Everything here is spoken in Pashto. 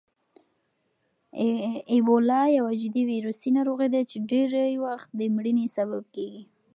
اېبولا یوه جدي ویروسي ناروغي ده چې ډېری وخت د مړینې سبب کېږي.